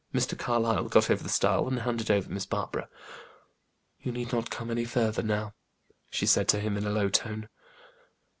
Mr. Carlyle got over the stile, and handed over Miss Barbara. "You need not come any further now," she said to him in a low tone.